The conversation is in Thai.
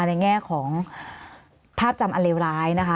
ในแง่ของภาพจำอันเลวร้ายนะคะ